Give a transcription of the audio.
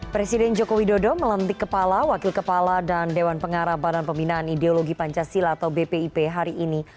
presiden joko widodo melantik kepala wakil kepala dan dewan pengarah badan pembinaan ideologi pancasila atau bpip hari ini